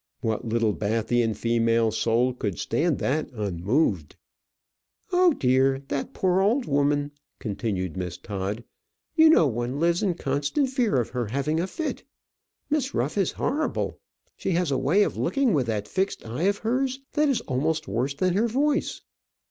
What Littlebathian female soul could stand that unmoved? "Oh, dear! that poor old woman!" continued Miss Todd. "You know one lives in constant fear of her having a fit. Miss Ruff is horrible. She has a way of looking with that fixed eye of hers that is almost worse than her voice."